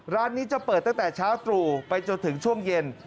ร้านนี้จะเปิดตั้งแต่เช้าตรู่ไปจนถึงช่วงเย็น